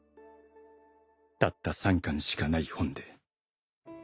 「たった３巻しかない本で」